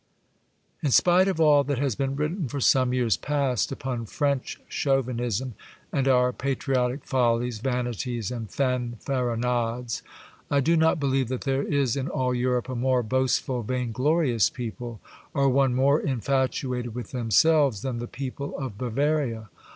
In spite of all that has been written for some years past upon French chauvinism and our patri otic follies, vanities, and fanfaronades, I do not believe that there is in all Europe a more boastful, vainglorious people, or one more infatuated with themselves, than the people of Bavaria.